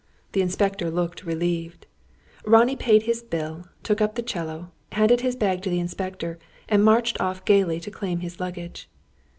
The inspector looked relieved. Ronnie paid his bill, took up the 'cello, handed his bag to the inspector, and marched off gaily to claim his luggage.